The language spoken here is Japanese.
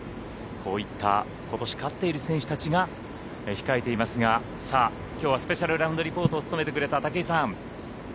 こういった今年勝っている選手たちが控えていますが、きょうはスペシャルラウンドリポーターを務めてくれた武井さん